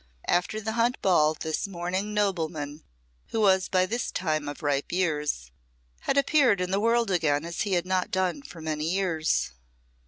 After the hunt ball this mourning nobleman, who was by this time of ripe years, had appeared in the world again as he had not done for many years.